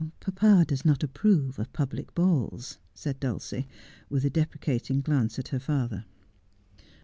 ' Papa does not approve of public balls,' said Dulcie, with a deprecating glance at her father.